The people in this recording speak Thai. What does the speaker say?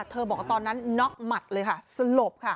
บอกว่าตอนนั้นน็อกหมัดเลยค่ะสลบค่ะ